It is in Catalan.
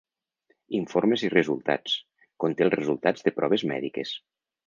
“Informes i resultats” conté els resultats de proves mèdiques.